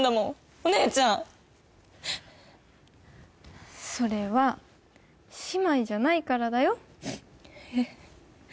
お姉ちゃんっそれは姉妹じゃないからだよえっ